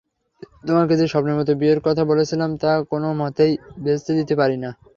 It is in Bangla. তোমাকে যে স্বপ্নের মতো বিয়ের কথা বলেছিলাম তা কোনো মতেই ভেস্তে দিতে পারি না।